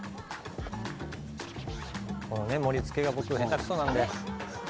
盛りつけが僕下手くそなんで。